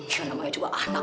siapa namanya juga anak